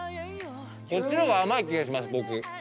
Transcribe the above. こっちの方が甘い気がします僕。